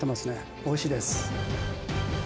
おいしいです。